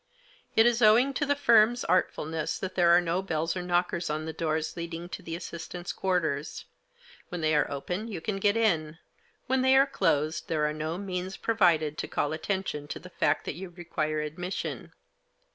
It is owing to the firm's artfulness that there are no bells or knockers on the doors leading to the assistants' quarters. When they are open you can get in ; when they are closed there are no means provided to call attention to the fact that you require admission.